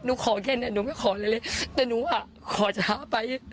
หนูขอแค่เนี้ยหนูไม่ขอเลยเลยแต่หนูอ่ะขอช้าไป